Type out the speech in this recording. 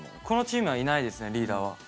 このチームはいないですねリーダーは。